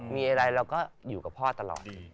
มีอะไรเราก็อยู่กับพ่อตลอด